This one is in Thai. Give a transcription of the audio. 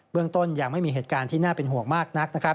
เรื่องต้นยังไม่มีเหตุการณ์ที่น่าเป็นห่วงมากนักนะครับ